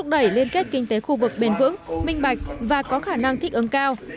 đẩy liên kết kinh tế khu vực bền vững minh bạch và có khả năng thích ứng cao